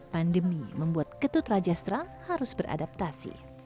pandemi membuat ketut rajastra harus beradaptasi